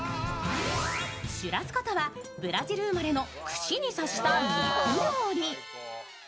シュラスコとはブラジル生まれの串に刺した肉料理。